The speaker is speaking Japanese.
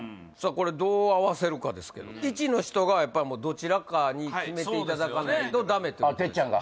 これどう合わせるかですけど１の人がやっぱもうどちらかに決めていただかないとダメとてっちゃんが？